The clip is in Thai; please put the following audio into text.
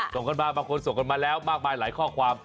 ส่งกันมาบางคนส่งกันมาแล้วมากมายหลายข้อความ